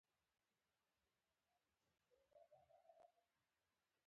د شونډو او زنې تناسب يې هم له مخ سره برابر و.